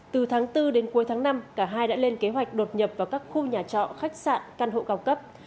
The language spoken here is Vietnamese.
từ tháng bốn đến cuối tháng năm cả hai đã lên kế hoạch đột nhập vào các khu nhà trọ khách sạn căn hộ cao cấp